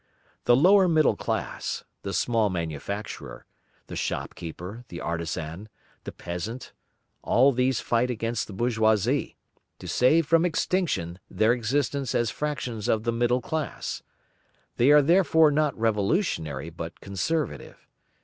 The lower middle class, the small manufacturer, the shopkeeper, the artisan, the peasant, all these fight against the bourgeoisie, to save from extinction their existence as fractions of the middle class. They are therefore not revolutionary, but conservative.